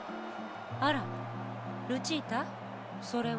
あらルチータそれは？